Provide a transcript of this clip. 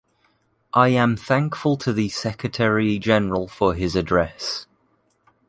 I am thankful to the Secretary-General for his address.